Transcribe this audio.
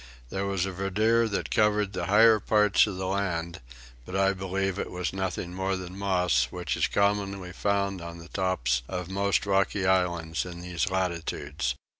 There was a verdure that covered the higher parts of the land, but I believe it was nothing more than moss which is commonly found on the tops of most rocky islands in these latitudes.